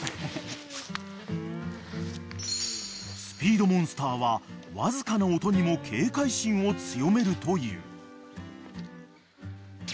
［スピードモンスターはわずかな音にも警戒心を強めるという］